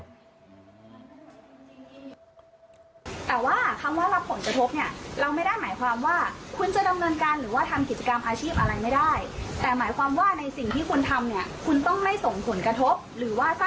บนต้นฉบันนะครับ